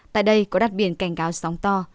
tại đây có đặt biển cảnh gáo sóng to